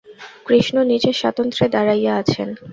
কৃষ্ণ নিজের স্বাতন্ত্র্যে দাঁড়াইয়া আছেন।